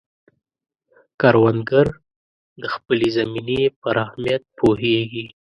کروندګر د خپلې زمینې پر اهمیت پوهیږي